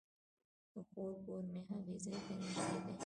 د خور کور مې هغې ځای ته نژدې دی